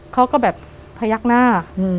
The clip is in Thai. เขาก็แบบพยักหน้า